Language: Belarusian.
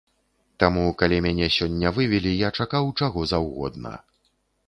Таму, калі мяне сёння вывелі, я чакаў чаго заўгодна.